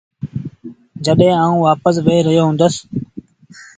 جڏهيݩ آئوٚݩ وآپس وهي رهيو هُندس۔